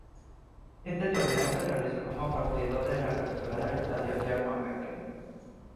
Este torneo se realizó como partido de reapertura del Estadio Germán Becker.